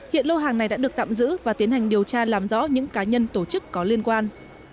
hiện lô hàng này đã được tạm giữ và tiến hành điều tra làm rõ những cá nhân tổ chức có liên quan